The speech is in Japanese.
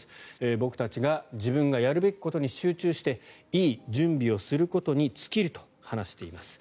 僕たちが自分がやるべきことに集中していい準備をすることに尽きると話しています。